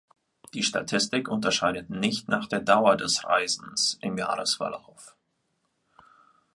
Die Statistik unterscheidet nicht nach der Dauer des „Reisens“ im Jahresverlauf.